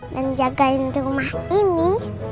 dan jagain rumah ini